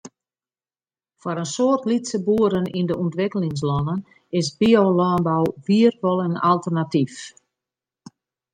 Foar in soad lytse boeren yn de ûntwikkelingslannen is biolânbou wier wol in alternatyf.